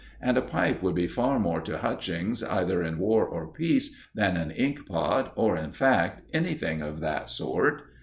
And a pipe would be far more to Hutchings, either in war or peace, than an ink pot, or, in fact, anything of that sort."